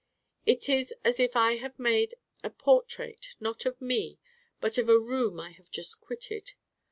It is as if I have made a portrait not of Me, but of a Room I have just quitted.